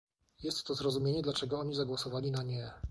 Jest to zrozumienie, dlaczego oni zagłosowali na "nie"